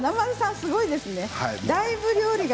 すごいですね。